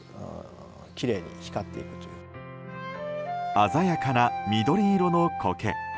鮮やかな緑色のコケ。